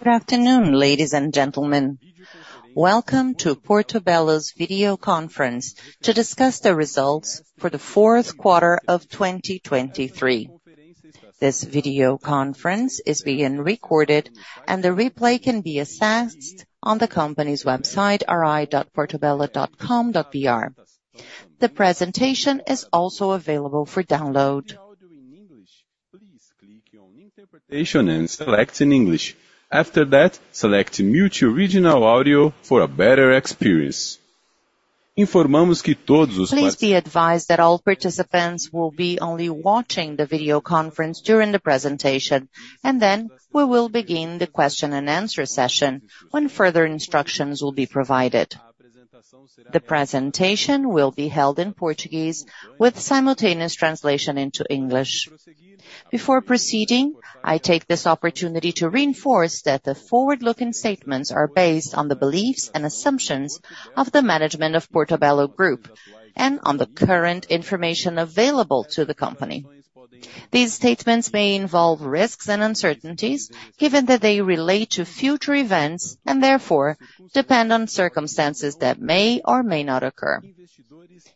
Good afternoon, ladies and gentlemen. Welcome to Portobello's video conference to discuss the results for the fourth quarter of 2023. This video conference is being recorded, and the replay can be accessed on the company's website ri.portobello.com.br. The presentation is also available for download. Please be advised that all participants will be only watching the video conference during the presentation, and then we will begin the question-and-answer session when further instructions will be provided. The presentation will be held in Portuguese, with simultaneous translation into English. Before proceeding, I take this opportunity to reinforce that the forward-looking statements are based on the beliefs and assumptions of the management of Portobello Group, and on the current information available to the company. These statements may involve risks and uncertainties, given that they relate to future events and, therefore, depend on circumstances that may or may not occur.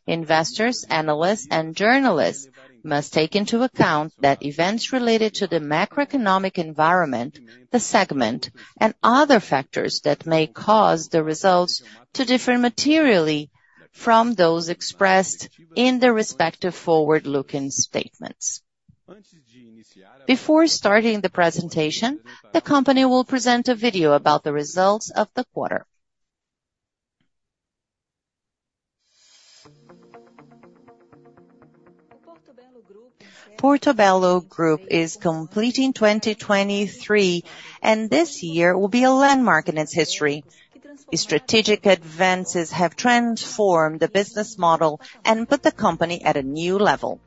Investors, analysts, and journalists must take into account that events related to the macroeconomic environment, the segment, and other factors that may cause the results to differ materially from those expressed in the respective forward-looking statements. Before starting the presentation, the company will present a video about the results of the quarter. Portobello Group is completing 2023, and this year will be a landmark in its history. Its strategic advances have transformed the business model and put the company at a new level.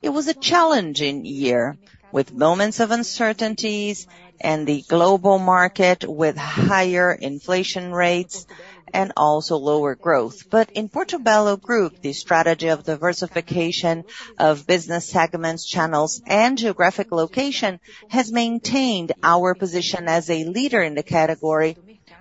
It was a challenging year, with moments of uncertainties and the global market with higher inflation rates and also lower growth. But in Portobello Group, the strategy of diversification of business segments, channels, and geographic location has maintained our position as a leader in the category,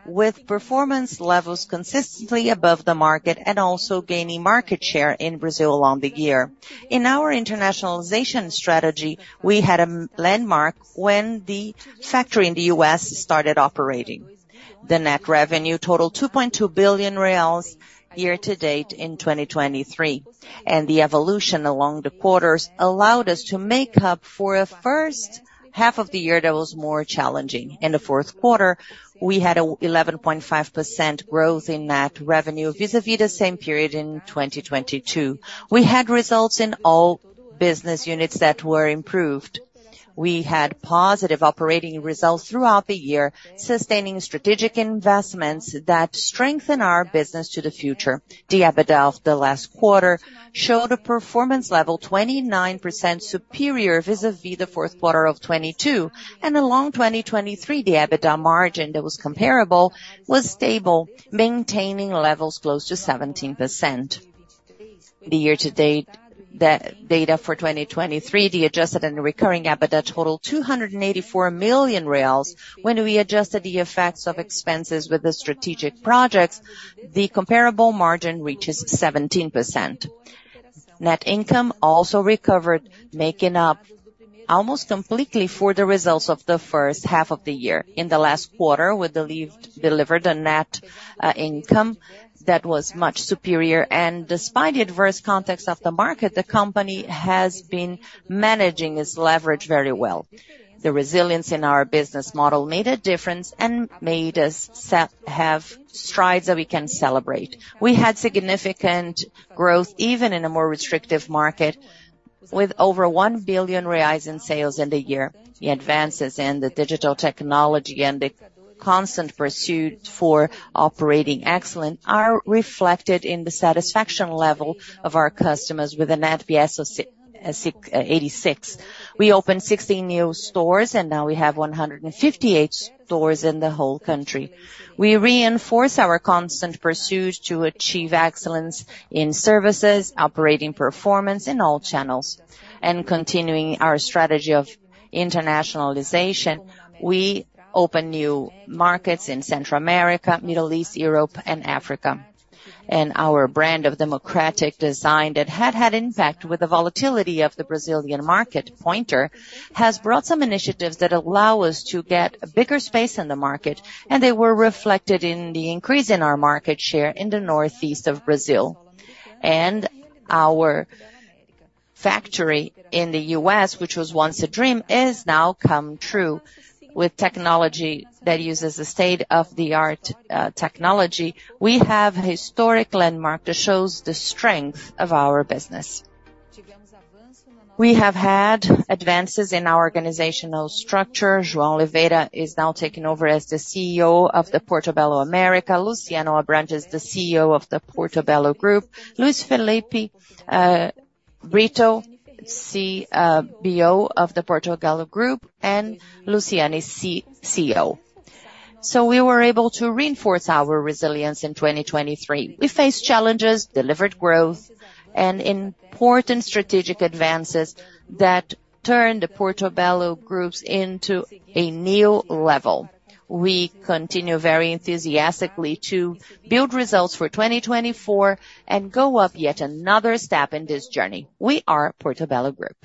with performance levels consistently above the market and also gaining market share in Brazil along the year. In our internationalization strategy, we had a landmark when the factory in the U.S. started operating. The net revenue totaled R$ 2.2 billion year-to-date in 2023, and the evolution along the quarters allowed us to make up for a first half of the year that was more challenging. In the fourth quarter, we had an 11.5% growth in net revenue vis-à-vis the same period in 2022. We had results in all business units that were improved. We had positive operating results throughout the year, sustaining strategic investments that strengthen our business to the future. The EBITDA of the last quarter showed a performance level 29% superior vis-à-vis the fourth quarter of 2022, and a long 2023 EBITDA margin that was comparable was stable, maintaining levels close to 17%. The year-to-date data for 2023, the adjusted and recurring EBITDA totaled 284 million reais when we adjusted the effects of expenses with the strategic projects. The comparable margin reaches 17%. Net income also recovered, making up almost completely for the results of the first half of the year. In the last quarter, we delivered a net income that was much superior, and despite the adverse context of the market, the company has been managing its leverage very well. The resilience in our business model made a difference and made us have strides that we can celebrate. We had significant growth even in a more restrictive market, with over 1 billion reais in sales in the year. The advances in the digital technology and the constant pursuit for operating excellence are reflected in the satisfaction level of our customers, with an NPS of 86. We opened 16 new stores, and now we have 158 stores in the whole country. We reinforce our constant pursuit to achieve excellence in services, operating performance in all channels, and continuing our strategy of internationalization. We opened new markets in Central America, Middle East, Europe, and Africa. Our brand of democratic design that had had impact with the volatility of the Brazilian market, Pointer, has brought some initiatives that allow us to get a bigger space in the market, and they were reflected in the increase in our market share in the Northeast of Brazil. Our factory in the U.S., which was once a dream, has now come true. With technology that uses state-of-the-art technology, we have a historic landmark that shows the strength of our business. We have had advances in our organizational structure. João Oliveira is now taking over as the CEO of Portobello America. Luciano Abrantes is the CEO of the Portobello Group. Luiz Felipe Brito, CBO of the Portobello Group, and Luciano is CEO. We were able to reinforce our resilience in 2023. We faced challenges, delivered growth, and important strategic advances that turned the Portobello Group into a new level. We continue very enthusiastically to build results for 2024 and go up yet another step in this journey. We are Portobello Group.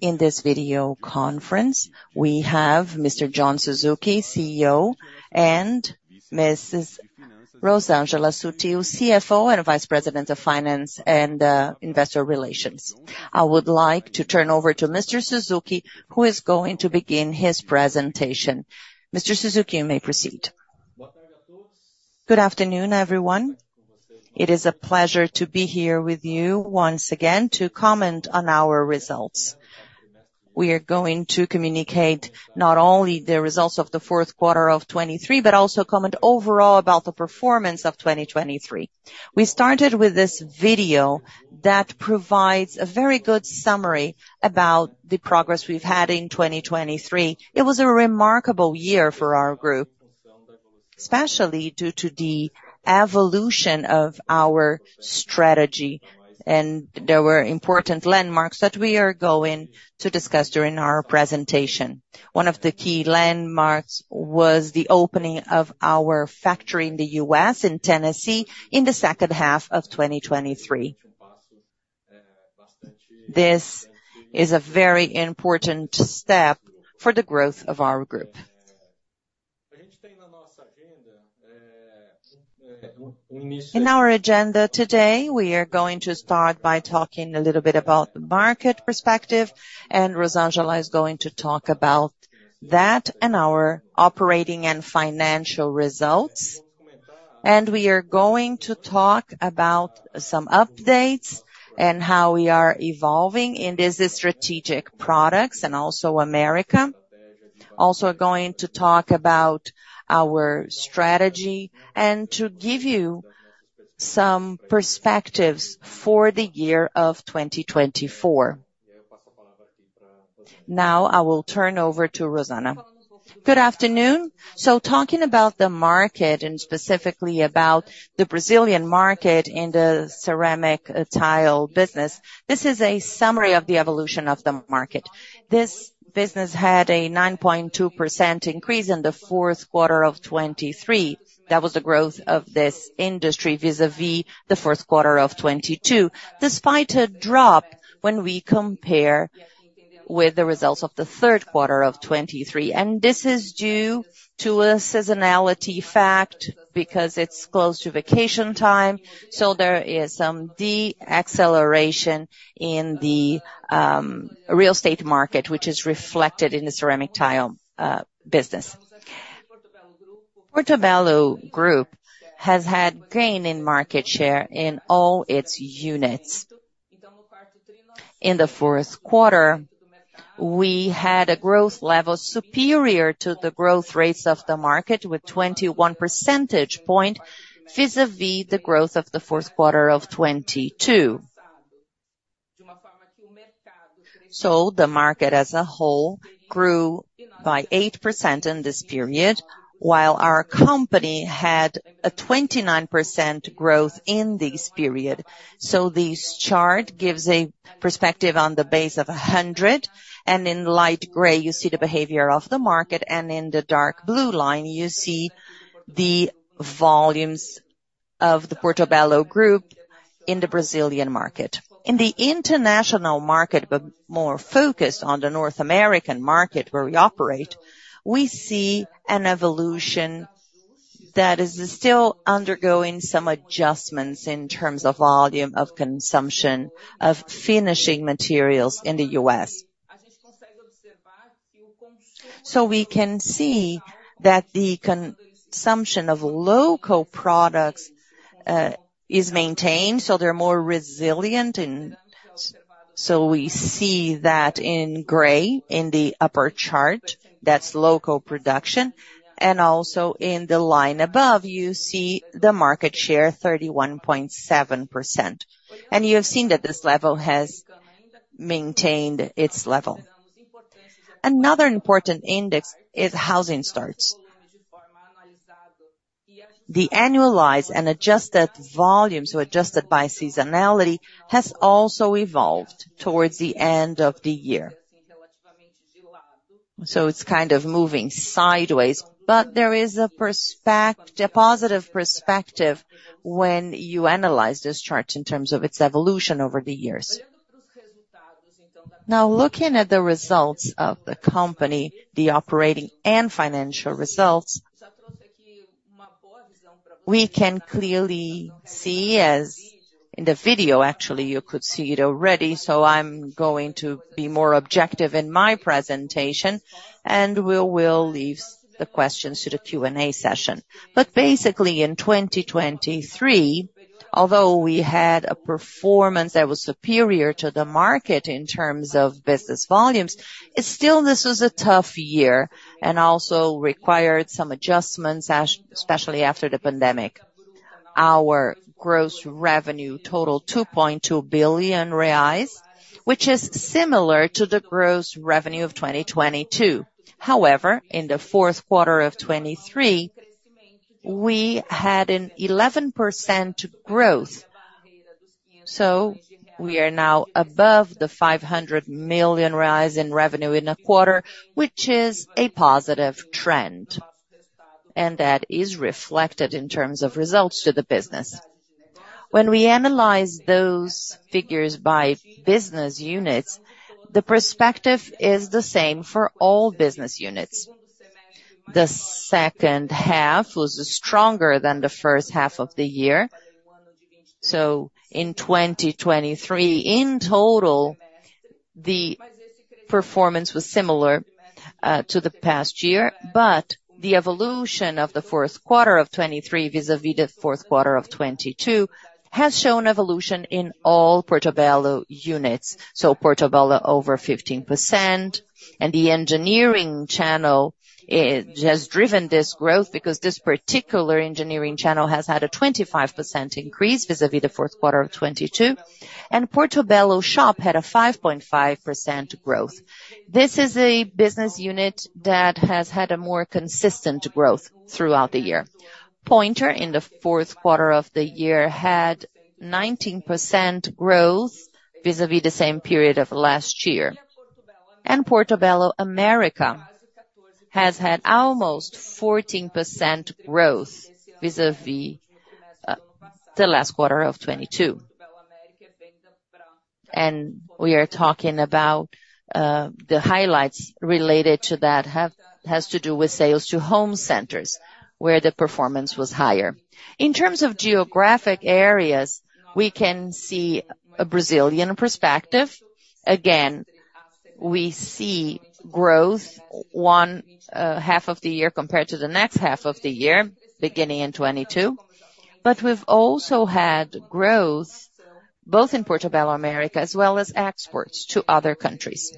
In this video conference, we have Mr. Joao Oliveira CEO, and Mrs. Rosângela Sutil, CFO and Vice President of Finance and Investor Relations. I would like to turn over to Mr. Suzuki, who is going to begin his presentation. Mr. Suzuki, you may proceed. Good afternoon, everyone. It is a pleasure to be here with you once again to comment on our results. We are going to communicate not only the results of the fourth quarter of 2023, but also comment overall about the performance of 2023. We started with this video that provides a very good summary about the progress we've had in 2023. It was a remarkable year for our group, especially due to the evolution of our strategy, and there were important landmarks that we are going to discuss during our presentation. One of the key landmarks was the opening of our factory in the U.S., in Tennessee, in the second half of 2023. This is a very important step for the growth of our group. In our agenda today, we are going to start by talking a little bit about the market perspective, and Rosângela is going to talk about that and our operating and financial results. We are going to talk about some updates and how we are evolving in these strategic products and also America. Also, we are going to talk about our strategy and to give you some perspectives for the year of 2024. Now, I will turn over to Rosângela. Good afternoon. Talking about the market, and specifically about the Brazilian market in the ceramic tile business, this is a summary of the evolution of the market. This business had a 9.2% increase in the fourth quarter of 2023. That was the growth of this industry vis-à-vis the fourth quarter of 2022, despite a drop when we compare with the results of the third quarter of 2023. This is due to a seasonality fact, because it's close to vacation time, so there is some deceleration in the real estate market, which is reflected in the ceramic tile business. Portobello Group has had gain in market share in all its units. In the fourth quarter, we had a growth level superior to the growth rates of the market, with 21 percentage points vis-à-vis the growth of the fourth quarter of 2022. The market as a whole grew by 8% in this period, while our company had a 29% growth in this period. This chart gives a perspective on the base of 100, and in light gray you see the behavior of the market, and in the dark blue line you see the volumes of the Portobello Group in the Brazilian market. In the international market, but more focused on the North American market where we operate, we see an evolution that is still undergoing some adjustments in terms of volume of consumption of finishing materials in the U.S. We can see that the consumption of local products is maintained, so they're more resilient. We see that in gray in the upper chart, that's local production, and also in the line above you see the market share, 31.7%. You have seen that this level has maintained its level. Another important index is housing starts. The annualized and adjusted volumes, so adjusted by seasonality, has also evolved towards the end of the year. It's kind of moving sideways, but there is a positive perspective when you analyze this chart in terms of its evolution over the years. Now, looking at the results of the company, the operating and financial results, we can clearly see as in the video, actually you could see it already, so I'm going to be more objective in my presentation, and we will leave the questions to the Q&A session. But basically, in 2023, although we had a performance that was superior to the market in terms of business volumes, still this was a tough year and also required some adjustments, especially after the pandemic. Our gross revenue totaled 2.2 billion reais, which is similar to the gross revenue of 2022. However, in the fourth quarter of 2023, we had an 11% growth, so we are now above the 500 million in revenue in a quarter, which is a positive trend, and that is reflected in terms of results to the business. When we analyze those figures by business units, the perspective is the same for all business units. The second half was stronger than the first half of the year. In 2023, in total, the performance was similar to the past year, but the evolution of the fourth quarter of 2023 vis-à-vis the fourth quarter of 2022 has shown evolution in all Portobello units. Portobello over 15%, and the engineering channel has driven this growth because this particular engineering channel has had a 25% increase vis-à-vis the fourth quarter of 2022, and Portobello Shop had a 5.5% growth. This is a business unit that has had a more consistent growth throughout the year. Pointer, in the fourth quarter of the year, had 19% growth vis-à-vis the same period of last year. Portobello America has had almost 14% growth vis-à-vis the last quarter of 2022. We are talking about the highlights related to that have to do with sales to home centers, where the performance was higher. In terms of geographic areas, we can see a Brazilian perspective. Again, we see growth one half of the year compared to the next half of the year, beginning in 2022, but we've also had growth both in Portobello America as well as exports to other countries.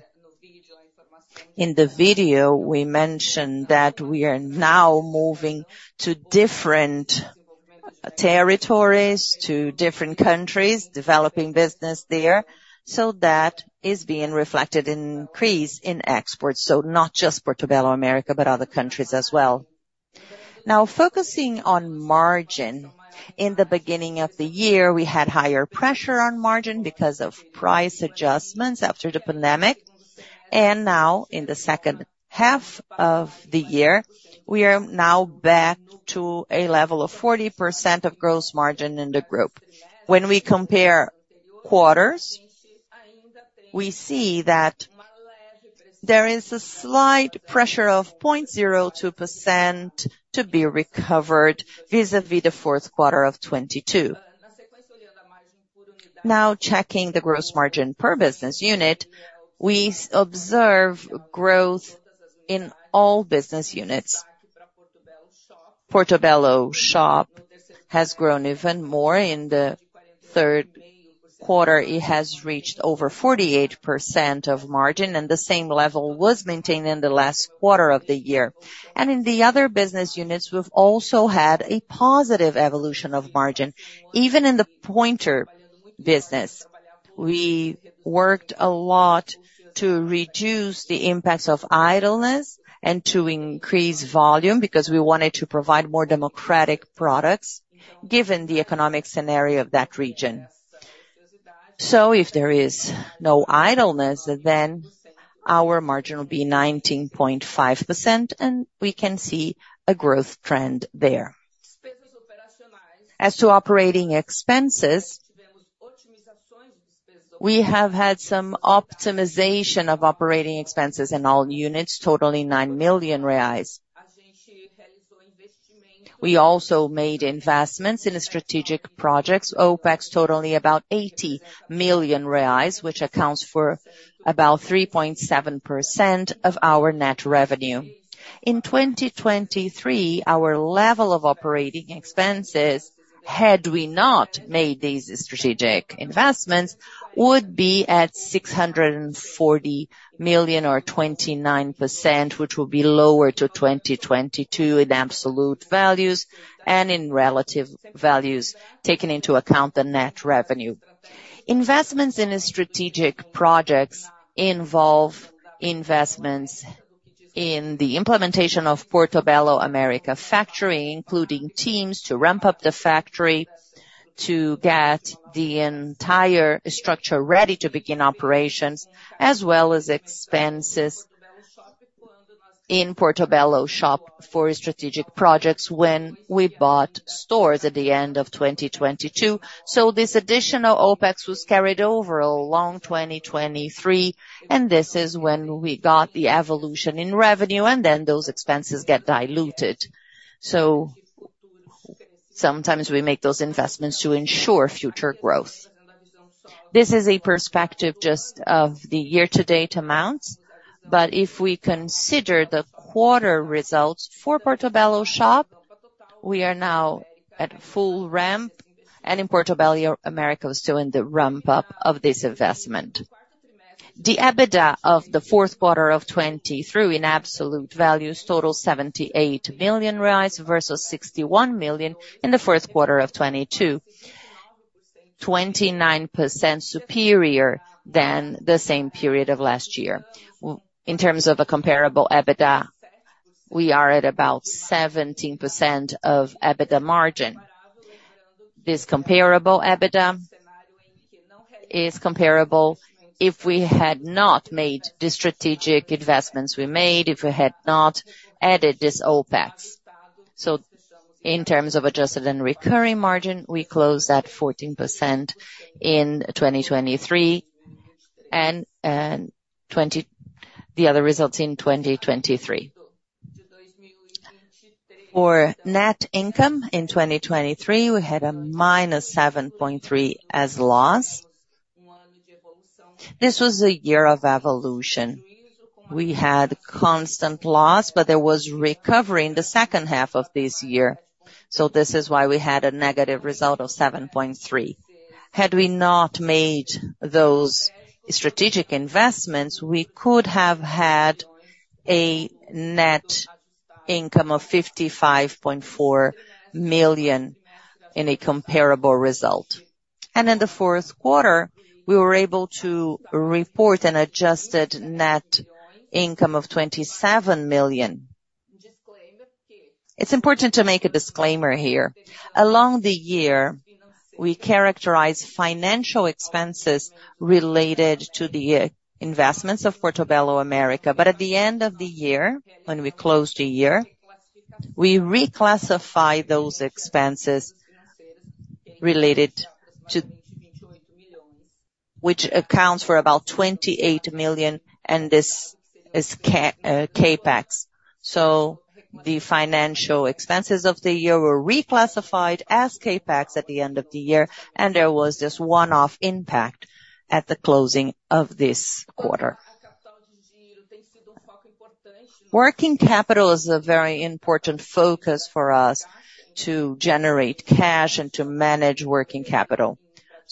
In the video, we mentioned that we are now moving to different territories, to different countries, developing business there, so that is being reflected in an increase in exports, so not just Portobello America, but other countries as well. Now, focusing on margin, in the beginning of the year, we had higher pressure on margin because of price adjustments after the pandemic, and now in the second half of the year, we are now back to a level of 40% of gross margin in the group. When we compare quarters, we see that there is a slight pressure of 0.02% to be recovered vis-à-vis the fourth quarter of 2022. Now, checking the gross margin per business unit, we observe growth in all business units. Portobello Shop has grown even more. In the third quarter, it has reached over 48% of margin, and the same level was maintained in the last quarter of the year. In the other business units, we've also had a positive evolution of margin, even in the Pointer business. We worked a lot to reduce the impacts of idleness and to increase volume because we wanted to provide more democratic products, given the economic scenario of that region. If there is no idleness, then our margin will be 19.5%, and we can see a growth trend there. As to operating expenses, we have had some optimization of operating expenses in all units, totally 9 million reais. We also made investments in strategic projects, OPEX, totally about 80 million reais, which accounts for about 3.7% of our net revenue. In 2023, our level of operating expenses, had we not made these strategic investments, would be at 640 million or 29%, which will be lower to 2022 in absolute values and in relative values, taking into account the net revenue. Investments in strategic projects involve investments in the implementation of Portobello America factory, including teams to ramp up the factory, to get the entire structure ready to begin operations, as well as expenses in Portobello Shop for strategic projects when we bought stores at the end of 2022. This additional OPEX was carried over a long 2023, and this is when we got the evolution in revenue, and then those expenses get diluted. Sometimes we make those investments to ensure future growth. This is a perspective just of the year-to-date amounts, but if we consider the quarter results for Portobello Shop, we are now at full ramp, and in Portobello America, we're still in the ramp-up of this investment. The EBITDA of the fourth quarter of 2023 in absolute values totaled 78 million reais versus 61 million in the fourth quarter of 2022, 29% superior than the same period of last year. In terms of a comparable EBITDA, we are at about 17% of EBITDA margin. This comparable EBITDA is comparable if we had not made the strategic investments we made, if we had not added this OPEX. In terms of adjusted and recurring margin, we closed at 14% in 2023 and the other results in 2023. For net income in 2023, we had a minus 7.3% as loss. This was a year of evolution. We had constant loss, but there was recovery in the second half of this year, so this is why we had a negative result of 7.3%. Had we not made those strategic investments, we could have had a net income of 55.4 million in a comparable result. In the fourth quarter, we were able to report an adjusted net income of 27 million. It's important to make a disclaimer here. Along the year, we characterize financial expenses related to the investments of Portobello America, but at the end of the year, when we close the year, we reclassify those expenses related to, which accounts for about 28 million, and this is CAPEX. The financial expenses of the year were reclassified as CAPEX at the end of the year, and there was this one-off impact at the closing of this quarter. Working capital is a very important focus for us to generate cash and to manage working capital.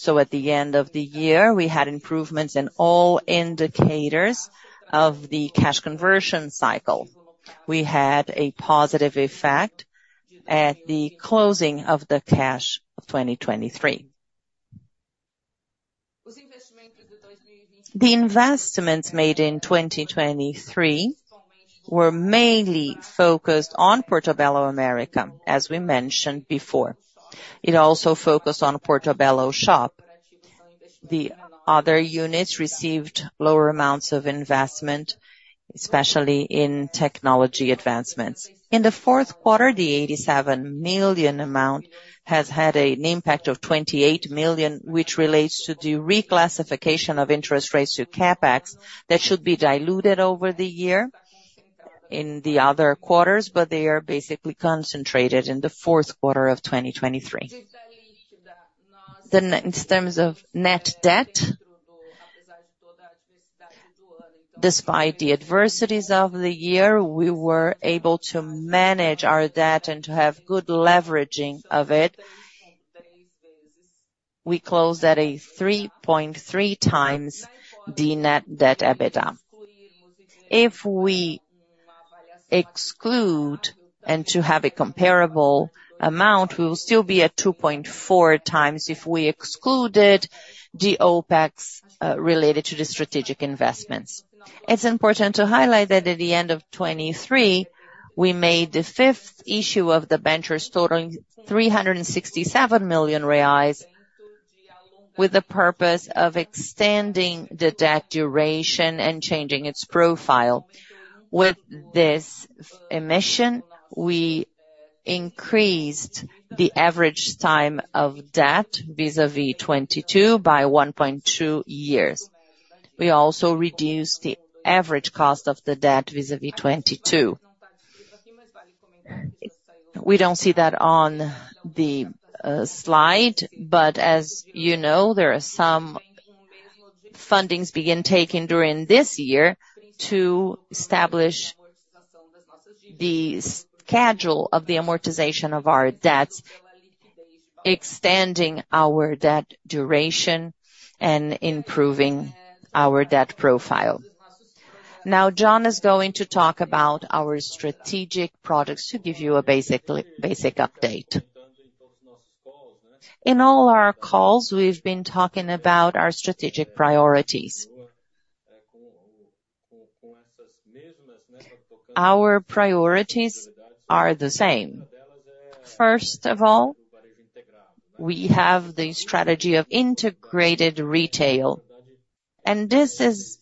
At the end of the year, we had improvements in all indicators of the cash conversion cycle. We had a positive effect at the closing of the cash of 2023. The investments made in 2023 were mainly focused on Portobello America, as we mentioned before. It also focused on Portobello Shop. The other units received lower amounts of investment, especially in technology advancements. In the fourth quarter, the R$ 87 million amount has had an impact of R$ 28 million, which relates to the reclassification of interest rates to CAPEX that should be diluted over the year in the other quarters, but they are basically concentrated in the fourth quarter of 2023. In terms of net debt, despite the adversities of the year, we were able to manage our debt and to have good leveraging of it. We closed at a 3.3x the net debt EBITDA. If we exclude and to have a comparable amount, we will still be at 2.4x if we excluded the OPEX related to the strategic investments. It's important to highlight that at the end of 2023, we made the fifth issue of the debentures, totaling 367 million reais, with the purpose of extending the debt duration and changing its profile. With this emission, we increased the average time of debt vis-à-vis 2022 by 1.2 years. We also reduced the average cost of the debt vis-à-vis 2022. We don't see that on the slide, but as you know, there are some fundings being taken during this year to establish the schedule of the amortization of our debts, extending our debt duration, and improving our debt profile. Now, John is going to talk about our strategic products to give you a basic update. In all our calls, we've been talking about our strategic priorities. Our priorities are the same. First of all, we have the strategy of integrated retail, and this is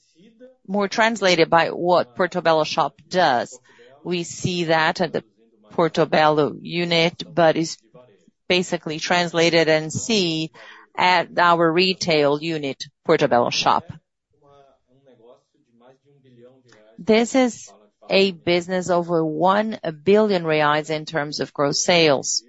more translated by what Portobello Shop does. We see that at the Portobello unit, but it's basically translated and seen at our retail unit, Portobello Shop. This is a business over 1 billion reais in terms of gross sales.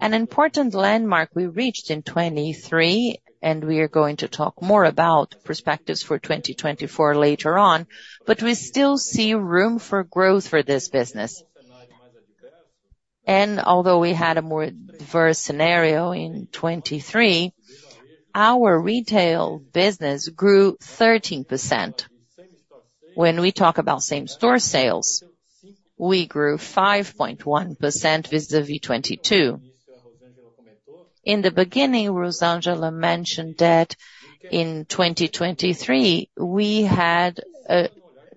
An important landmark we reached in 2023, and we are going to talk more about perspectives for 2024 later on, but we still see room for growth for this business. Although we had a more diverse scenario in 2023, our retail business grew 13%. When we talk about same-store sales, we grew 5.1% vis-à-vis 2022. In the beginning, Rosângela mentioned that in 2023, we had a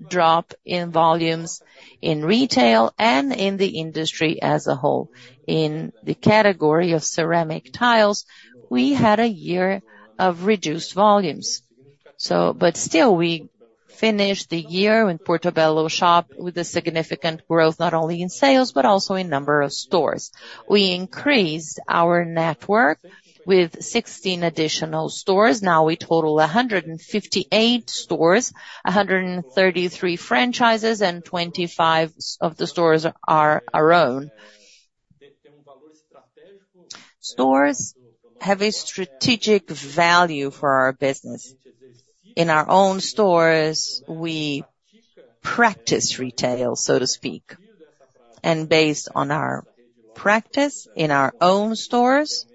drop in volumes in retail and in the industry as a whole. In the category of ceramic tiles, we had a year of reduced volumes, but still, we finished the year in Portobello Shop with a significant growth, not only in sales but also in number of stores. We increased our network with 16 additional stores. Now, we total 158 stores, 133 franchises, and 25 of the stores are our own. Stores have a strategic value for our business. In our own stores, we practice retail, so to speak, and based on our practice in our own stores,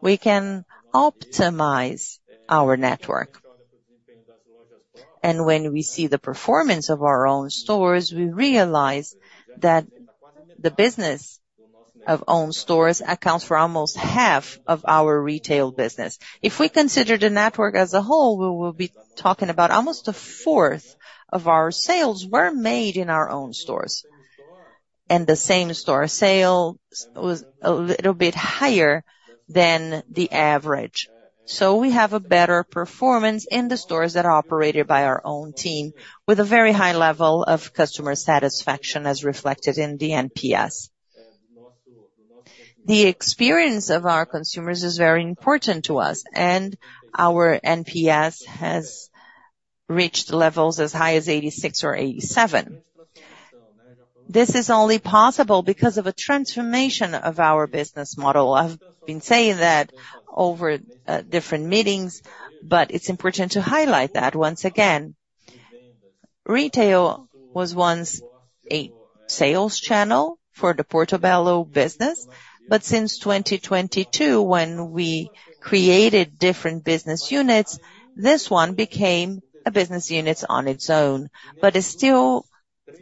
we can optimize our network. When we see the performance of our own stores, we realize that the business of own stores accounts for almost half of our retail business. If we consider the network as a whole, we will be talking about almost a fourth of our sales were made in our own stores, and the same-store sale was a little bit higher than the average. We have a better performance in the stores that are operated by our own team with a very high level of customer satisfaction as reflected in the NPS. The experience of our consumers is very important to us, and our NPS has reached levels as high as 86 or 87. This is only possible because of a transformation of our business model. I've been saying that over different meetings, but it's important to highlight that once again. Retail was once a sales channel for the Portobello business, but since 2022, when we created different business units, this one became a business unit on its own, but it still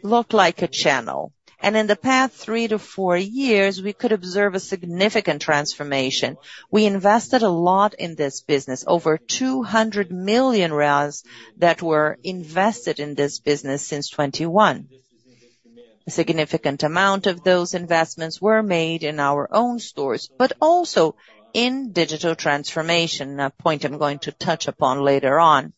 looked like a channel. In the past three to four years, we could observe a significant transformation. We invested a lot in this business, over 200 million reais that were invested in this business since 2021. A significant amount of those investments were made in our own stores, but also in digital transformation, a point I'm going to touch upon later on.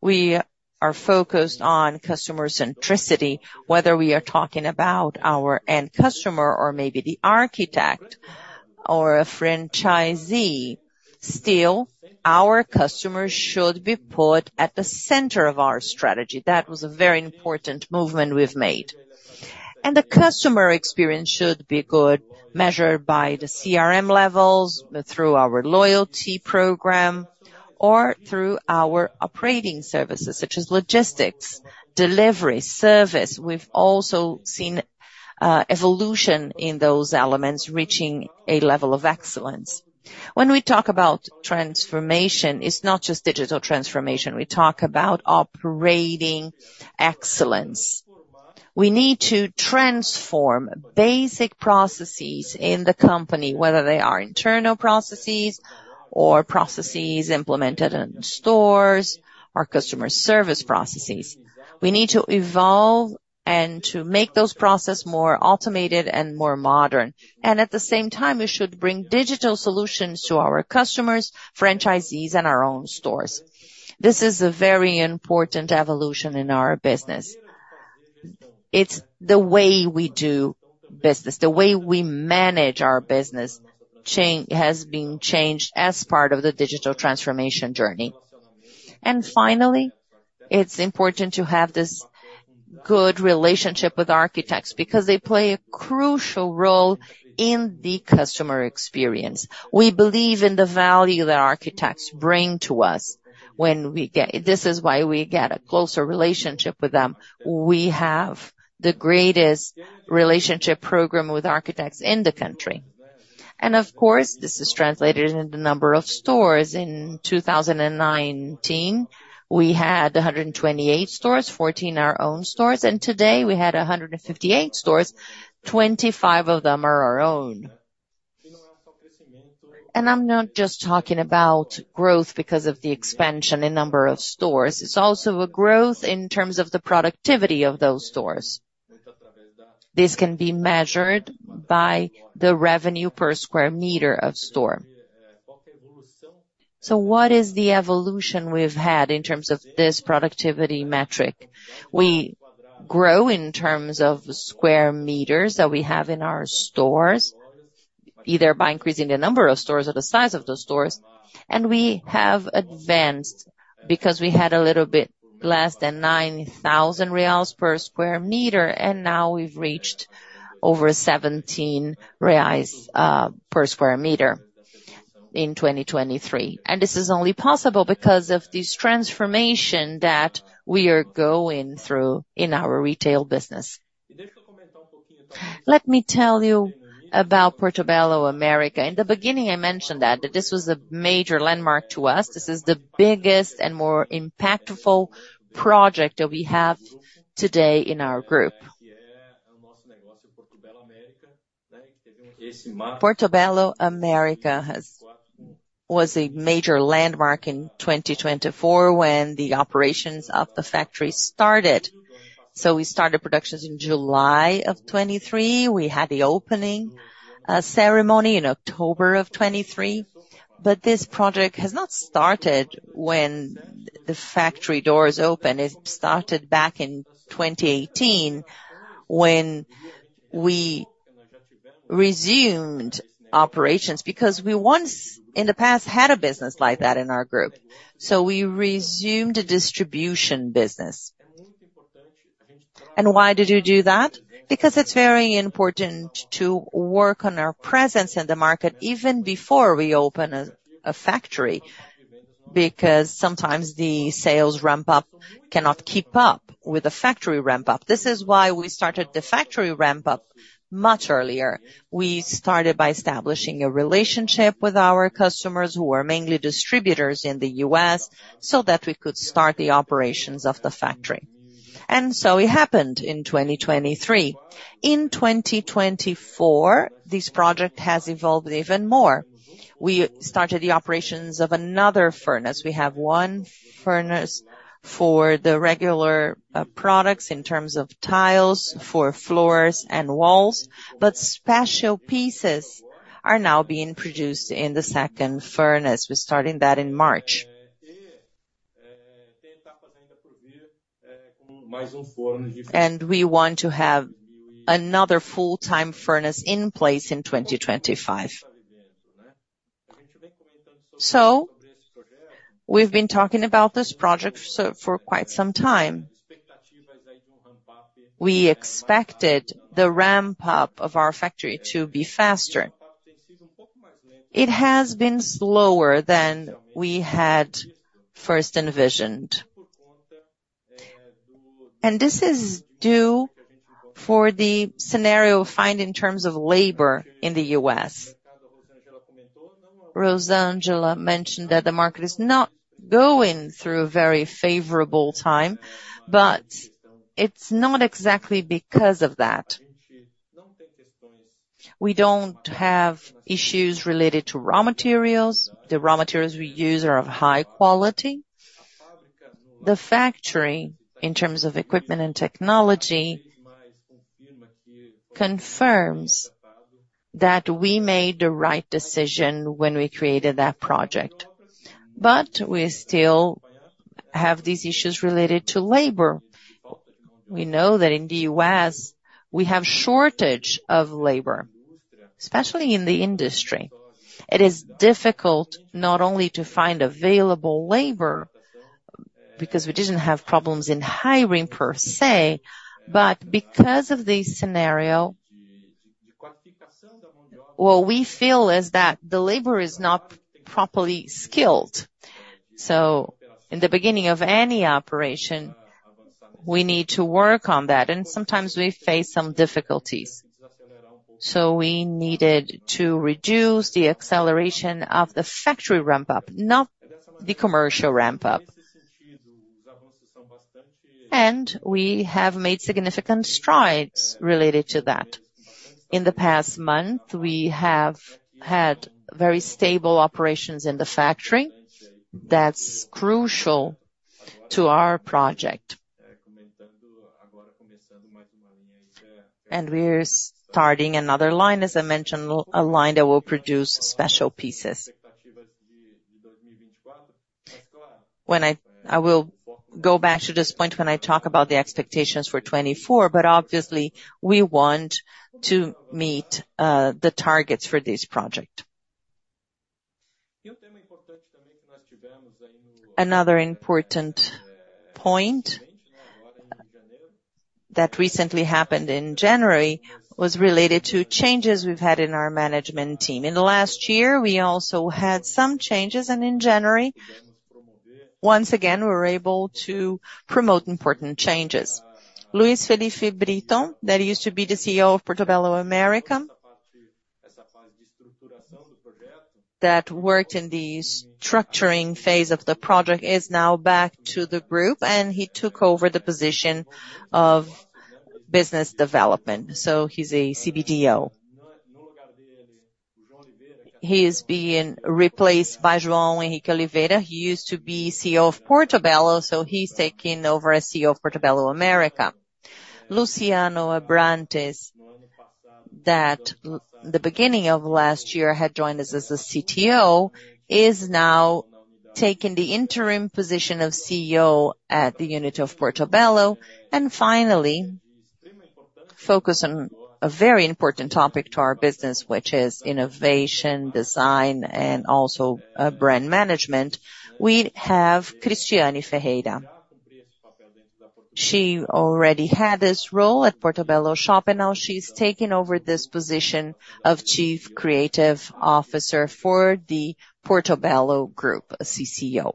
We are focused on customer centricity, whether we are talking about our end customer or maybe the architect or a franchisee. Still, our customers should be put at the center of our strategy. That was a very important movement we've made. The customer experience should be good, measured by the CRM levels through our loyalty program or through our operating services such as logistics, delivery, service. We've also seen evolution in those elements reaching a level of excellence. When we talk about transformation, it's not just digital transformation. We talk about operating excellence. We need to transform basic processes in the company, whether they are internal processes or processes implemented in stores or customer service processes. We need to evolve and to make those processes more automated and more modern. At the same time, we should bring digital solutions to our customers, franchisees, and our own stores. This is a very important evolution in our business. It's the way we do business, the way we manage our business has been changed as part of the digital transformation journey. Finally, it's important to have this good relationship with architects because they play a crucial role in the customer experience. We believe in the value that architects bring to us. This is why we get a closer relationship with them. We have the greatest relationship program with architects in the country. Of course, this is translated into the number of stores. In 2019, we had 128 stores, 14 our own stores, and today, we had 158 stores, 25 of them are our own. I'm not just talking about growth because of the expansion in number of stores. It's also a growth in terms of the productivity of those stores. This can be measured by the revenue per square meter of store. What is the evolution we've had in terms of this productivity metric? We grow in terms of square meters that we have in our stores, either by increasing the number of stores or the size of the stores. We have advanced because we had a little bit less than 9,000 reais per sq m, and now we've reached over 17 reais per sq m in 2023. This is only possible because of this transformation that we are going through in our retail business. Let me tell you about Portobello America. In the beginning, I mentioned that this was a major landmark to us. This is the biggest and more impactful project that we have today in our group. Portobello America was a major landmark in 2024 when the operations of the factory started. We started productions in July of 2023. We had the opening ceremony in October of 2023, but this project has not started when the factory doors opened. It started back in 2018 when we resumed operations because we once, in the past, had a business like that in our group. We resumed a distribution business. Why did we do that? Because it's very important to work on our presence in the market even before we open a factory because sometimes the sales ramp-up cannot keep up with the factory ramp-up. This is why we started the factory ramp-up much earlier. We started by establishing a relationship with our customers who are mainly distributors in the U.S. so that we could start the operations of the factory. It happened in 2023. In 2024, this project has evolved even more. We started the operations of another furnace. We have one furnace for the regular products in terms of tiles for floors and walls, but special pieces are now being produced in the second furnace. We're starting that in March. We want to have another full-time furnace in place in 2025. We've been talking about this project for quite some time. We expected the ramp-up of our factory to be faster. It has been slower than we had first envisioned. This is due for the scenario we find in terms of labor in the U.S. Rosângela mentioned that the market is not going through a very favorable time, but it's not exactly because of that. We don't have issues related to raw materials. The raw materials we use are of high quality. The factory, in terms of equipment and technology, confirms that we made the right decision when we created that project, but we still have these issues related to labor. We know that in the U.S., we have a shortage of labor, especially in the industry. It is difficult not only to find available labor because we didn't have problems in hiring per se, but because of this scenario, what we feel is that the labor is not properly skilled. In the beginning of any operation, we need to work on that, and sometimes we face some difficulties. We needed to reduce the acceleration of the factory ramp-up, not the commercial ramp-up, and we have made significant strides related to that. In the past month, we have had very stable operations in the factory. That's crucial to our project. We're starting another line, as I mentioned, a line that will produce special pieces. I will go back to this point when I talk about the expectations for 2024, but obviously, we want to meet the targets for this project. Another important point that recently happened in January was related to changes we've had in our management team. In the last year, we also had some changes, and in January, once again, we were able to promote important changes. Luiz Felipe Brito, that used to be the CEO of Portobello America, that worked in the structuring phase of the project, is now back to the group, and he took over the position of business development. He's a CBDO. He's being replaced by João Henrique Oliveira. He used to be CEO of Portobello, so he's taking over as CEO of Portobello America. Luciano Abrantes, that at the beginning of last year had joined us as a CTO, is now taking the interim position of CEO at the unit of Portobello. Finally, focusing on a very important topic to our business, which is innovation, design, and also brand management, we have Cristiane Ferreira. She already had this role at Portobello Shop, and now she's taking over this position of Chief Creative Officer for the Portobello Group, a CCO.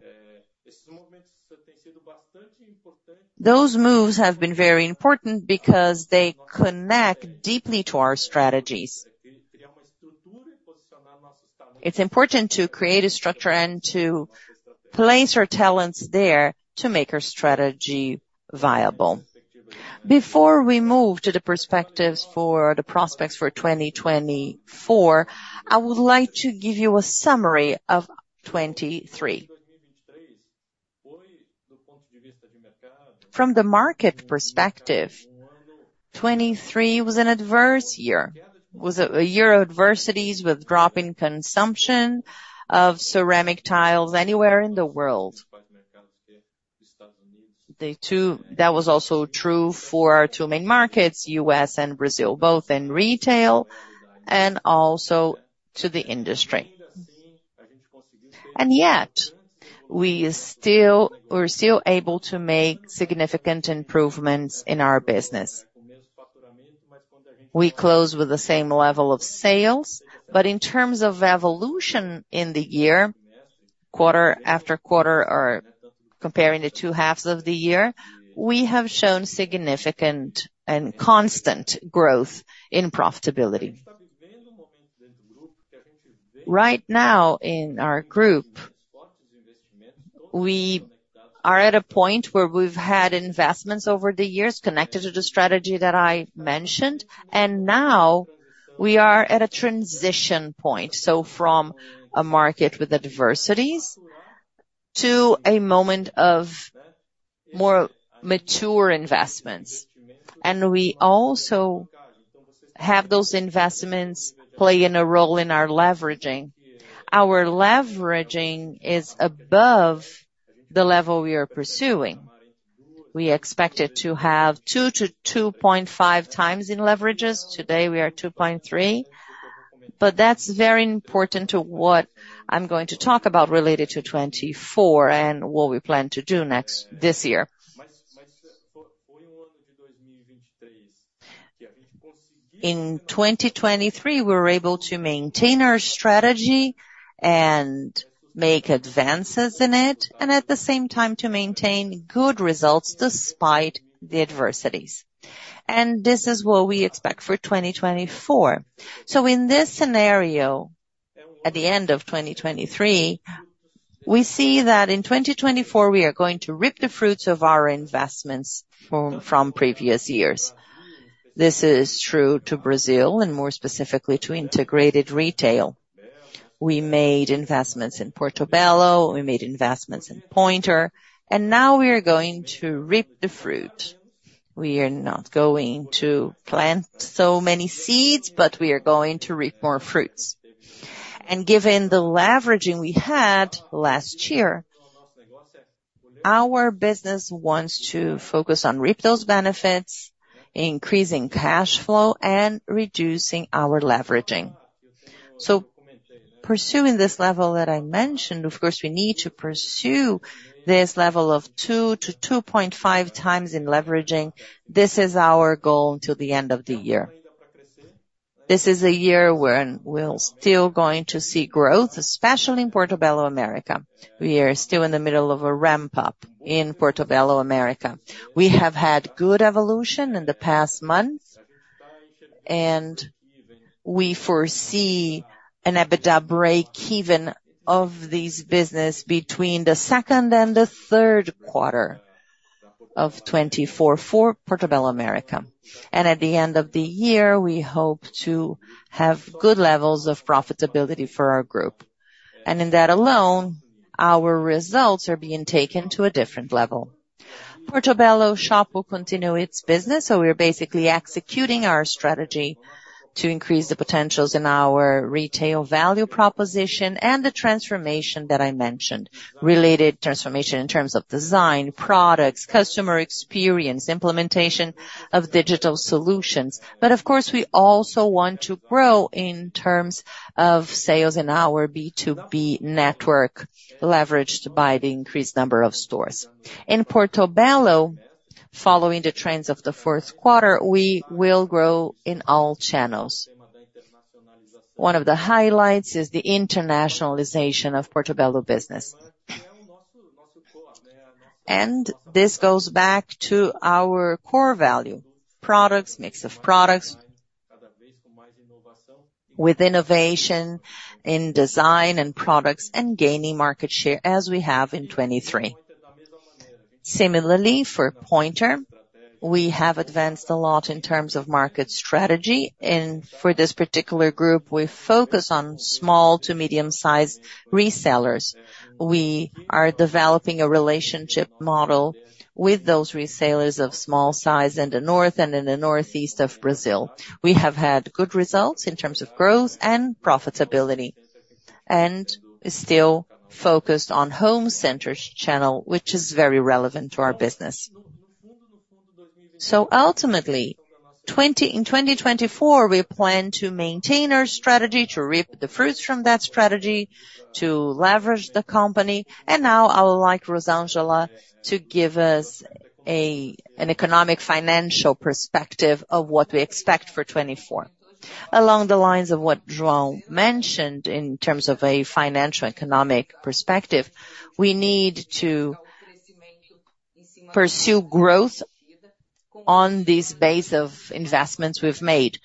Those moves have been very important because they connect deeply to our strategies. It's important to create a structure and to place our talents there to make our strategy viable. Before we move to the perspectives for the prospects for 2024, I would like to give you a summary of 2023. From the market perspective, 2023 was an adverse year. It was a year of adversities with dropping consumption of ceramic tiles anywhere in the world. That was also true for our two main markets, U.S. and Brazil, both in retail and also to the industry. Yet, we're still able to make significant improvements in our business. We closed with the same level of sales, but in terms of evolution in the year, quarter after quarter, or comparing the two halves of the year, we have shown significant and constant growth in profitability. Right now, in our group, we are at a point where we've had investments over the years connected to the strategy that I mentioned, and now we are at a transition point, from a market with adversities to a moment of more mature investments. We also have those investments playing a role in our leveraging. Our leveraging is above the level we are pursuing. We expected to have 2-2.5 times in leverages. Today, we are 2.3, but that's very important to what I'm going to talk about related to 2024 and what we plan to do this year. In 2023, we were able to maintain our strategy and make advances in it, and at the same time, to maintain good results despite the adversities. This is what we expect for 2024. In this scenario, at the end of 2023, we see that in 2024, we are going to rip the fruits of our investments from previous years. This is true to Brazil and more specifically to integrated retail. We made investments in Portobello. We made investments in Pointer. Now, we are going to rip the fruit. We are not going to plant so many seeds, but we are going to rip more fruits. Given the leveraging we had last year, our business wants to focus on ripping those benefits, increasing cash flow, and reducing our leveraging. Pursuing this level that I mentioned, of course, we need to pursue this level of 2-2.5 times in leveraging. This is our goal until the end of the year. This is a year when we're still going to see growth, especially in Portobello America. We are still in the middle of a ramp-up in Portobello America. We have had good evolution in the past month, and we foresee an EBITDA break-even of this business between the second and the third quarter of 2024 for Portobello America. At the end of the year, we hope to have good levels of profitability for our group. In that alone, our results are being taken to a different level. Portobello Shop will continue its business, so we're basically executing our strategy to increase the potentials in our retail value proposition and the transformation that I mentioned related. Transformation in terms of design, products, customer experience, implementation of digital solutions. Of course, we also want to grow in terms of sales in our B2B network leveraged by the increased number of stores. In Portobello, following the trends of the fourth quarter, we will grow in all channels. One of the highlights is the internationalization of Portobello business. This goes back to our core value: products, mix of products, with innovation in design and products, and gaining market share as we have in 2023. Similarly, for Pointer, we have advanced a lot in terms of market strategy. For this particular group, we focus on small to medium-sized resellers. We are developing a relationship model with those resellers of small size in the North and in the Northeast of Brazil. We have had good results in terms of growth and profitability, and still focused on the home center channel, which is very relevant to our business. Ultimately, in 2024, we plan to maintain our strategy, to rip the fruits from that strategy, to leverage the company, and now I would like Rosângela to give us an economic-financial perspective of what we expect for 2024. Along the lines of what João mentioned in terms of a financial-economic perspective, we need to pursue growth on this base of investments we've made.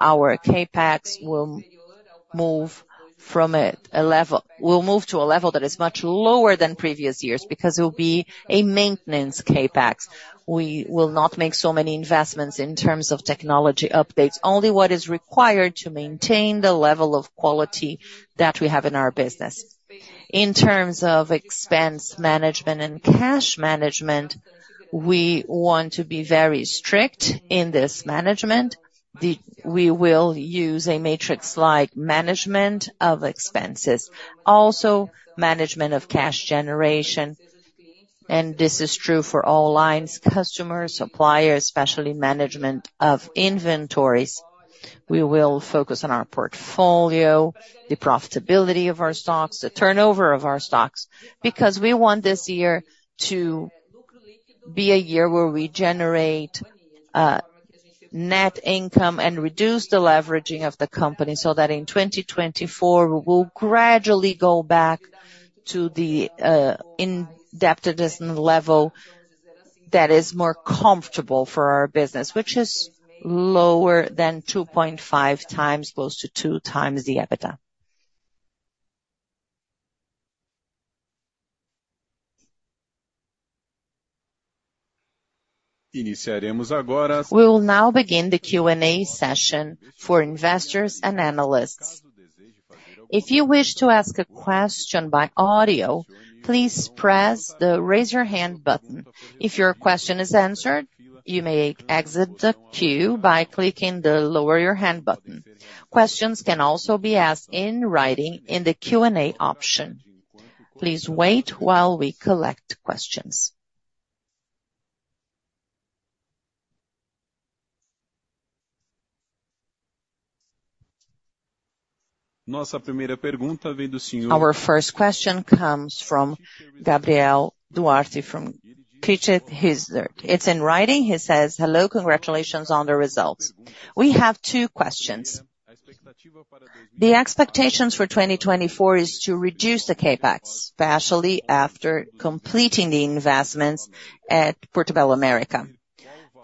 Our CAPEX will move to a level that is much lower than previous years because it will be a maintenance CAPEX. We will not make so many investments in terms of technology updates, only what is required to maintain the level of quality that we have in our business. In terms of expense management and cash management, we want to be very strict in this management. We will use a matrix like management of expenses, also management of cash generation. This is true for all lines: customers, suppliers, especially management of inventories. We will focus on our portfolio, the profitability of our stocks, the turnover of our stocks because we want this year to be a year where we generate net income and reduce the leveraging of the company so that in 2024, we will gradually go back to the indebtedness level that is more comfortable for our business, which is lower than 2.5x, close to 2x the EBITDA. We will now begin the Q&A session for investors and analysts. If you wish to ask a question by audio, please press the raise-your-hand button. If your question is answered, you may exit the queue by clicking the lower-your-hand button. Questions can also be asked in writing in the Q&A option. Please wait while we collect questions. Our first question comes from Gabriel Duarte from Ticker Research. It's in writing. He says, "Hello. Congratulations on the results." We have two questions. The expectations for 2024 are to reduce the CAPEX, especially after completing the investments at Portobello America.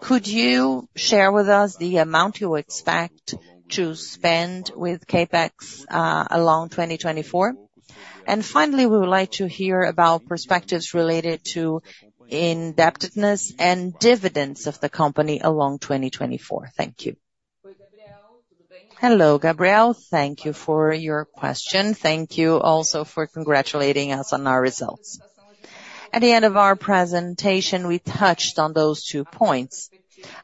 Could you share with us the amount you expect to spend with CAPEX along 2024? Finally, we would like to hear about perspectives related to indebtedness and dividends of the company along 2024. Thank you. Hello, Gabriel. Thank you for your question. Thank you also for congratulating us on our results. At the end of our presentation, we touched on those two points.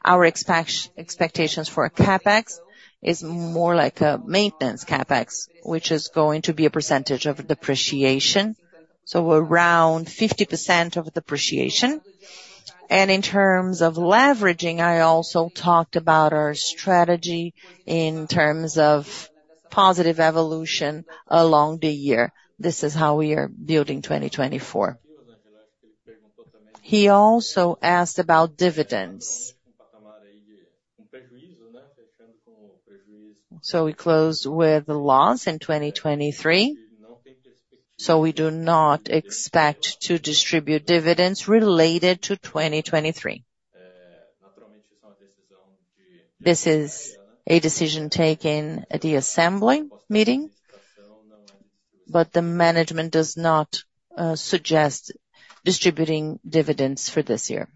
Our expectations for CAPEX are more like a maintenance CAPEX, which is going to be a percentage of depreciation, around 50% of depreciation. In terms of leveraging, I also talked about our strategy in terms of positive evolution along the year. This is how we are building 2024. He also asked about dividends. We closed with loss in 2023, so we do not expect to distribute dividends related to 2023. This is a decision taken at the assembly meeting, but the management does not suggest distributing dividends for this year.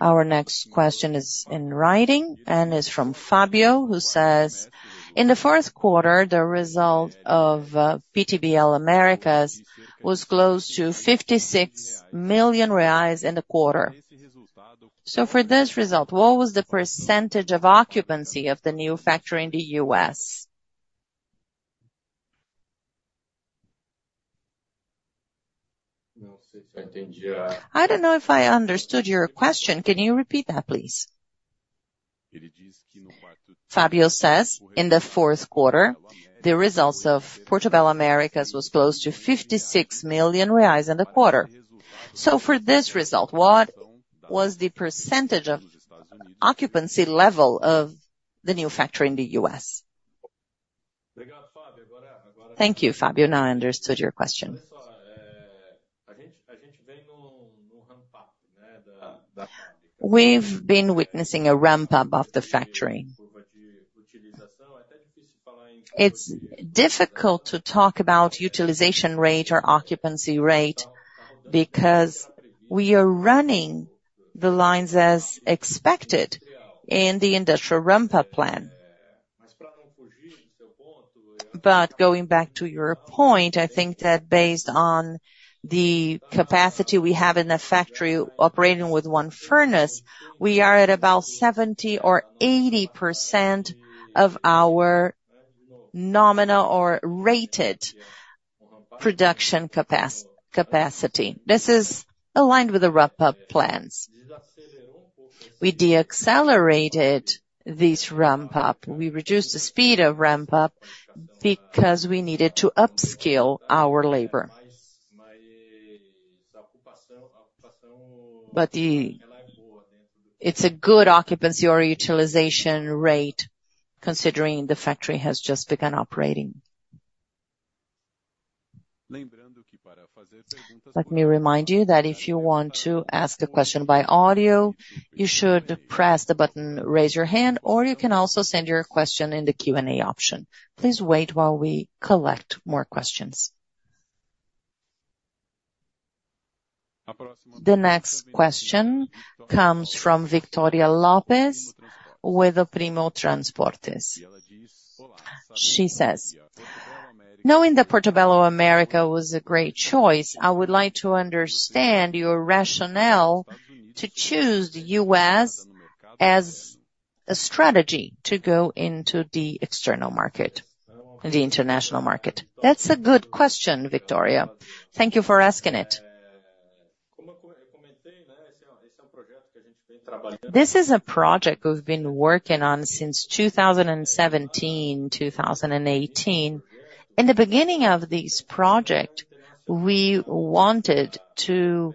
Our next question is in writing and is from Fabio, who says, "In the fourth quarter, the result of Portobello America was close to R$ 56 million in the quarter." For this result, what was the percentage of occupancy of the new factory in the U.S.? I don't know if I understood your question. Can you repeat that, please? Fabio says, "In the fourth quarter, the results of Portobello America were close to R$ 56 million in the quarter." For this result, what was the percentage of occupancy level of the new factory in the U.S.? Thank you, Fabio. Now I understood your question. We've been witnessing a ramp-up of the factory. It's difficult to talk about utilization rate or occupancy rate because we are running the lines as expected in the industrial ramp-up plan. But going back to your point, I think that based on the capacity we have in the factory operating with one furnace, we are at about 70% or 80% of our nominal or rated production capacity. This is aligned with the ramp-up plans. We de-accelerated this ramp-up. We reduced the speed of ramp-up because we needed to upskill our labor. It's a good occupancy or utilization rate considering the factory has just begun operating. Let me remind you that if you want to ask a question by audio, you should press the button raise-your-hand, or you can also send your question in the Q&A option. Please wait while we collect more questions. The next question comes from Victoria Lopez with uncertain She says, "Knowing that Portobello America was a great choice, I would like to understand your rationale to choose the U.S. as a strategy to go into the external market, the international market." That's a good question, Victoria. Thank you for asking it. This is a project we've been working on since 2017, 2018. In the beginning of this project, we wanted to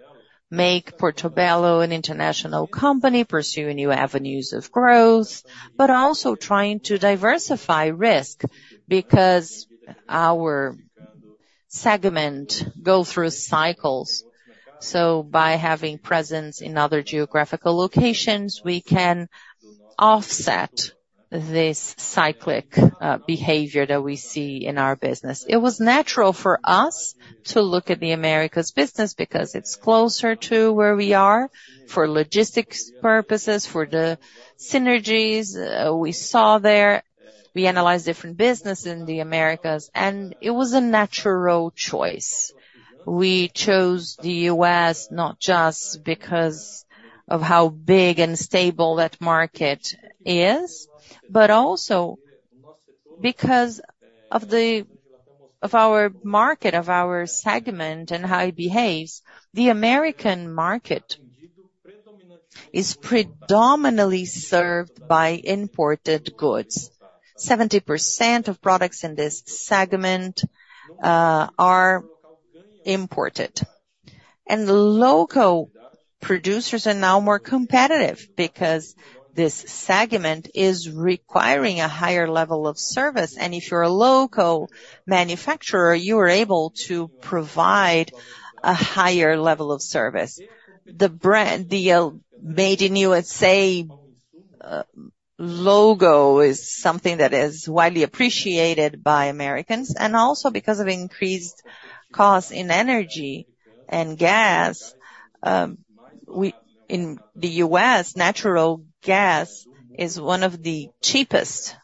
make Portobello an international company, pursue new avenues of growth, but also trying to diversify risk because our segments go through cycles. By having presence in other geographical locations, we can offset this cyclic behavior that we see in our business. It was natural for us to look at the Americas business because it's closer to where we are for logistics purposes, for the synergies we saw there. We analyzed different businesses in the Americas, and it was a natural choice. We chose the U.S. not just because of how big and stable that market is, but also because of our market, of our segment, and how it behaves. The American market is predominantly served by imported goods. 70% of products in this segment are imported. Local producers are now more competitive because this segment is requiring a higher level of service, and if you're a local manufacturer, you are able to provide a higher level of service. The made-in-U.S.A. logo is something that is widely appreciated by Americans, and also because of increased costs in energy and gas. In the U.S., natural gas is one of the cheapest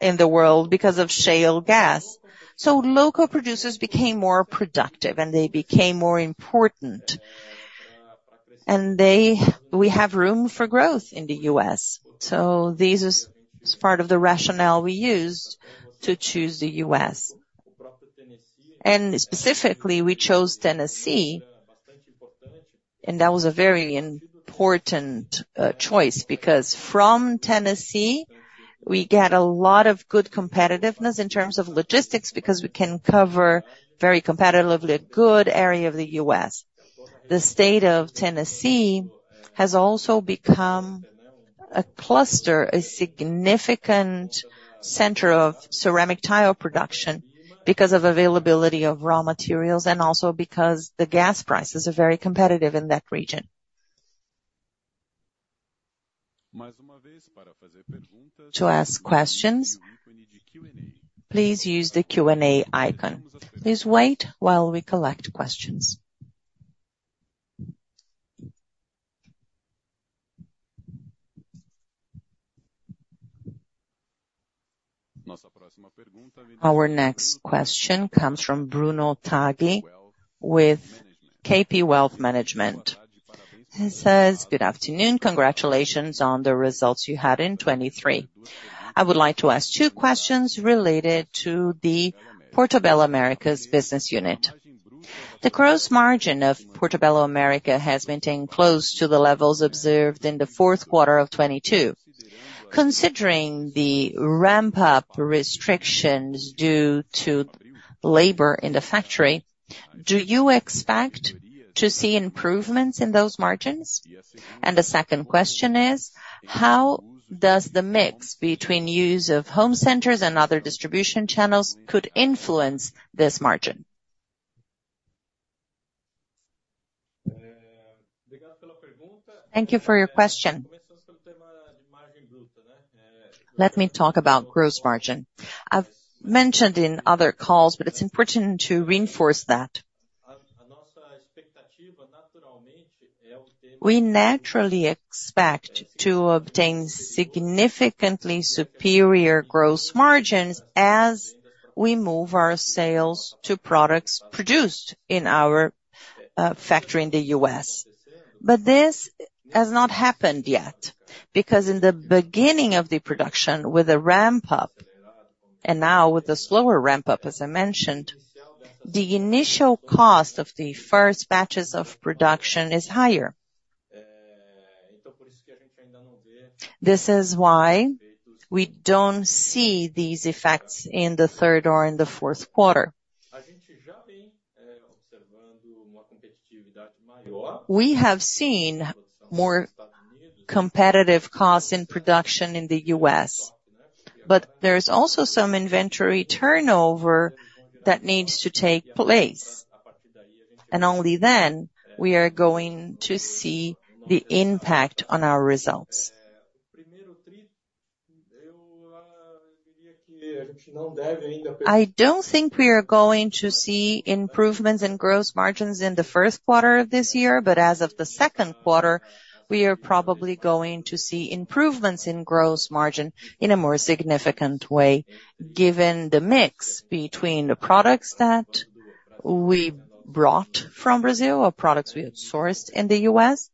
in the world because of shale gas. Local producers became more productive, and they became more important, and we have room for growth in the U.S. This is part of the rationale we used to choose the U.S. Specifically, we chose Tennessee, and that was a very important choice because from Tennessee, we get a lot of good competitiveness in terms of logistics because we can cover very competitively a good area of the U.S. The state of Tennessee has also become a cluster, a significant center of ceramic tile production because of availability of raw materials and also because the gas prices are very competitive in that region. To ask questions, please use the Q&A icon. Please wait while we collect questions. Our next question comes from Bruno Taddei with KP Wealth Management. He says, "Good afternoon. Congratulations on the results you had in 2023." I would like to ask two questions related to the Portobello America business unit. The gross margin of Portobello America has maintained close to the levels observed in the fourth quarter of 2022. Considering the ramp-up restrictions due to labor in the factory, do you expect to see improvements in those margins? The second question is, how does the mix between use of home centers and other distribution channels could influence this margin? Thank you for your question. Let me talk about gross margin. I've mentioned in other calls, but it's important to reinforce that. We naturally expect to obtain significantly superior gross margins as we move our sales to products produced in our factory in the U.S., but this has not happened yet because in the beginning of the production with the ramp-up and now with the slower ramp-up, as I mentioned, the initial cost of the first batches of production is higher. This is why we don't see these effects in the third or in the fourth quarter. We have seen more competitive costs in production in the U.S., but there's also some inventory turnover that needs to take place, and only then we are going to see the impact on our results. I don't think we are going to see improvements in gross margins in the first quarter of this year, but as of the second quarter, we are probably going to see improvements in gross margin in a more significant way given the mix between the products that we brought from Brazil or products we had sourced in the U.S.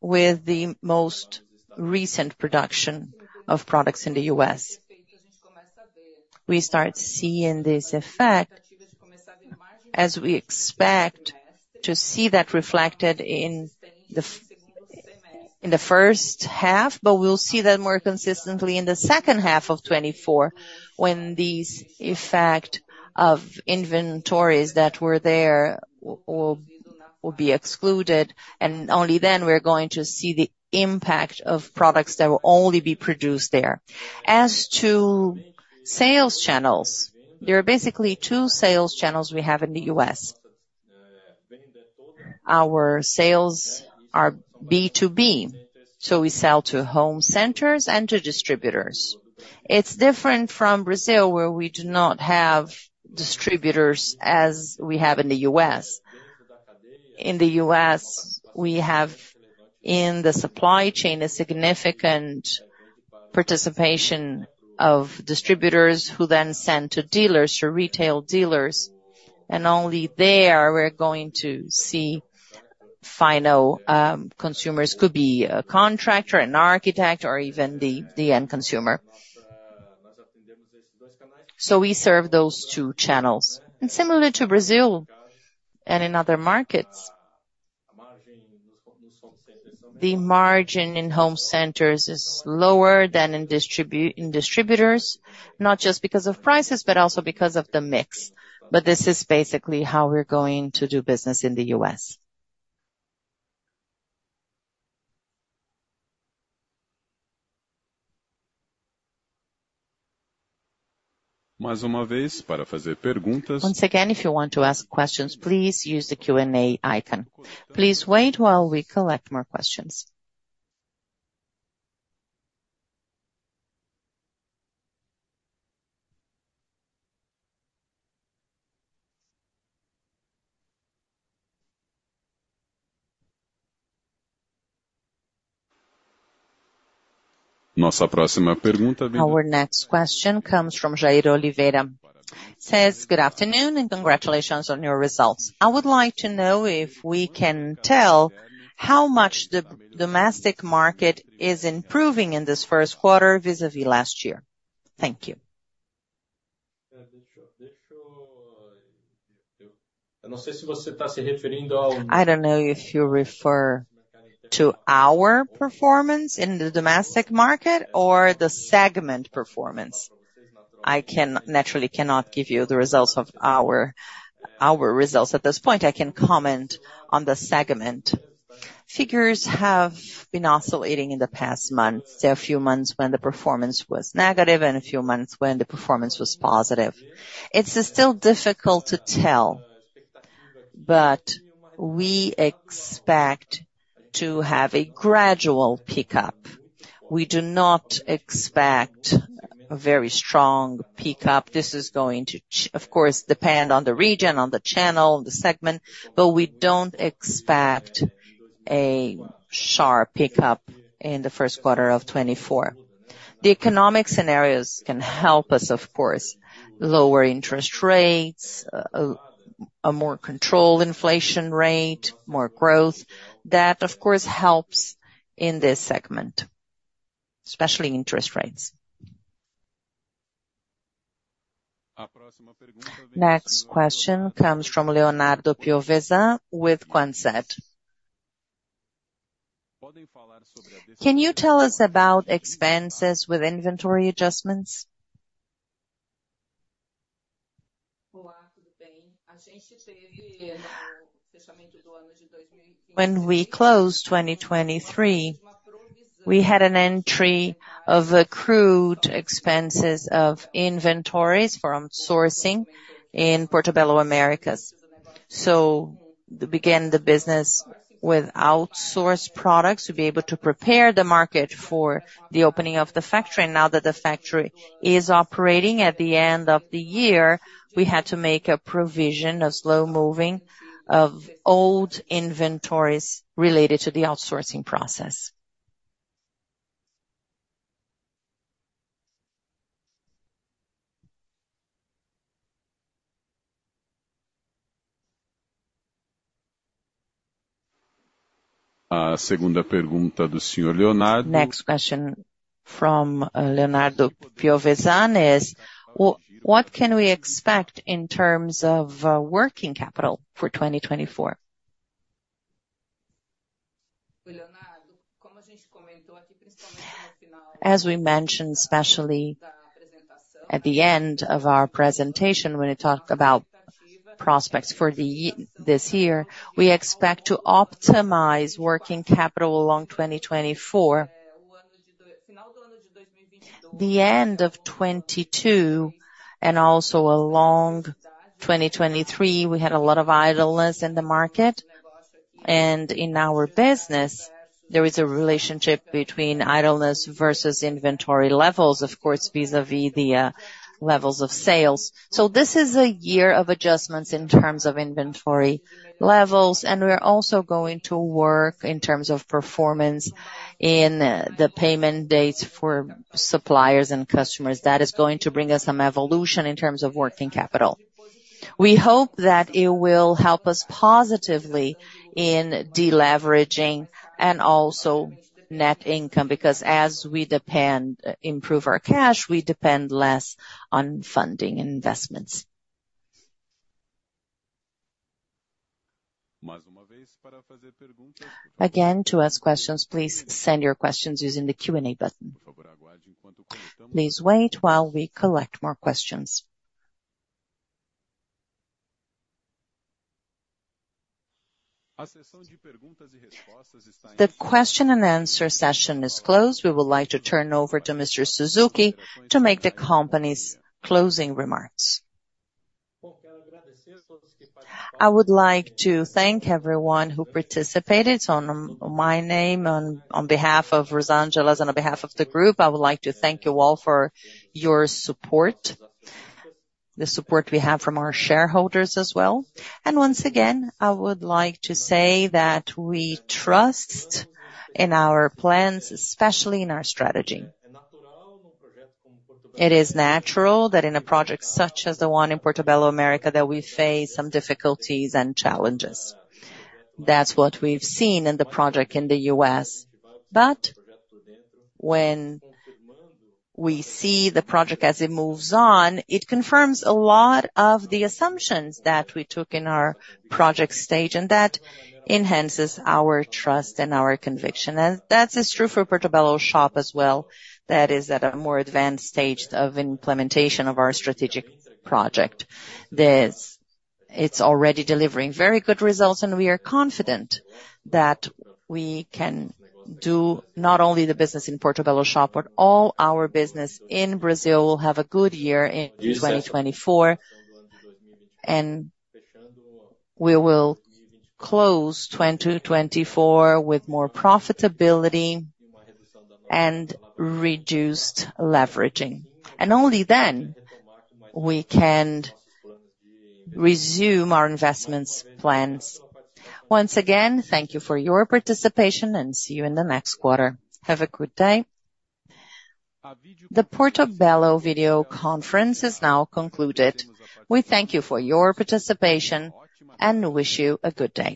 with the most recent production of products in the U.S. We start seeing this effect as we expect to see that reflected in the first half, but we'll see that more consistently in the second half of 2024 when this effect of inventories that were there will be excluded, and only then we're going to see the impact of products that will only be produced there. As to sales channels, there are basically two sales channels we have in the U.S. Our sales are B2B, so we sell to home centers and to distributors. It's different from Brazil where we do not have distributors as we have in the U.S. In the U.S., we have in the supply chain a significant participation of distributors who then send to dealers, to retail dealers, and only there we're going to see final consumers. It could be a contractor, an architect, or even the end consumer. So we serve those two channels. Similar to Brazil and in other markets, the margin in home centers is lower than in distributors, not just because of prices but also because of the mix. But this is basically how we're going to do business in the U.S. Once again, if you want to ask questions, please use the Q&A icon. Please wait while we collect more questions. Our next question comes from Jair Oliveira. He says, "Good afternoon and congratulations on your results. I would like to know if we can tell how much the domestic market is improving in this first quarter vis-à-vis last year." Thank you. I don't know if you refer to our performance in the domestic market or the segment performance. I naturally cannot give you the results of our results at this point. I can comment on the segment. Figures have been oscillating in the past months. There are a few months when the performance was negative and a few months when the performance was positive. It's still difficult to tell, but we expect to have a gradual pickup. We do not expect a very strong pickup. This is going to, of course, depend on the region, on the channel, the segment, but we don't expect a sharp pickup in the first quarter of 2024. The economic scenarios can help us, of course. Lower interest rates, a more controlled inflation rate, more growth, that, of course, helps in this segment, especially interest rates. Next question comes from Leonardo Piovesan with Quantzed. Can you tell us about expenses with inventory adjustments? When we closed 2023, we had an entry of accrued expenses of inventories from sourcing in Portobello America. We began the business with outsourced products to be able to prepare the market for the opening of the factory. Now that the factory is operating at the end of the year, we had to make a provision of slow-moving of old inventories related to the outsourcing process . Next question from Leonardo Piovesan is, "What can we expect in terms of working capital for 2024?" As we mentioned, especially at the end of our presentation when we talked about prospects for this year, we expect to optimize working capital along 2024. The end of 2022 and also along 2023, we had a lot of idleness in the market, and in our business, there is a relationship between idleness versus inventory levels, of course, vis-à-vis the levels of sales. This is a year of adjustments in terms of inventory levels, and we're also going to work in terms of performance in the payment dates for suppliers and customers. That is going to bring us some evolution in terms of working capital. We hope that it will help us positively in deleveraging and also net income because as we improve our cash, we depend less on funding investments. Again, to ask questions, please send your questions using the Q&A button. Please wait while we collect more questions. The question-and-answer session is closed. We would like to turn over to Mr. Suzuki to make the company's closing remarks. I would like to thank everyone who participated. On my name, on behalf of Rosângela and on behalf of the group, I would like to thank you all for your support, the support we have from our shareholders as well. Once again, I would like to say that we trust in our plans, especially in our strategy. It is natural that in a project such as the one in Portobello America that we face some difficulties and challenges. That's what we've seen in the project in the U.S., but when we see the project as it moves on, it confirms a lot of the assumptions that we took in our project stage and that enhances our trust and our conviction. That's true for Portobello Shop as well. That is at a more advanced stage of implementation of our strategic project. It's already delivering very good results, and we are confident that we can do not only the business in Portobello Shop but all our business in Brazil will have a good year in 2024, and we will close 2024 with more profitability and reduced leveraging. Only then we can resume our investments plans. Once again, thank you for your participation, and see you in the next quarter. Have a good day. The Portobello video conference is now concluded. We thank you for your participation and wish you a good day.